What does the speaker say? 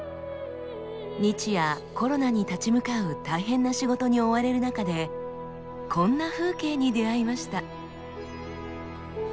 日夜コロナに立ち向かう大変な仕事に追われる中でこんな風景に出会いました。